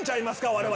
我々。